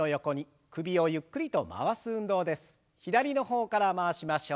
首をゆっくりと回す運動です。